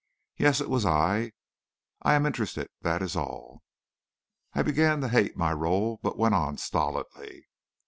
"Yes; it was I. I am interested, that is all." I began to hate my role, but went on stolidly.